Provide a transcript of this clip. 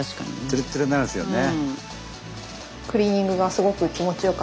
ツルツルになるんですよね。